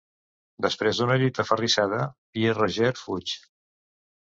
Després d'una lluita aferrissada, Pierre Roger fuig.